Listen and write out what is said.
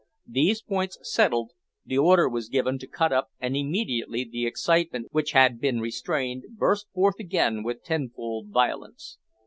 These points settled, the order was given to "cut up," and immediately the excitement which had been restrained burst forth again with tenfold violence.